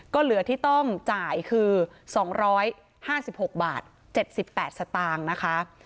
ก็เหลือที่ต้องจ่ายคือ๒๕๖บาท๗๘สตางค์นะคะ